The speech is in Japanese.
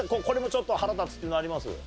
これもちょっと腹立つっていうのあります？